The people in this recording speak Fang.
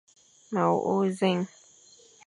Ma wôkh nzèn.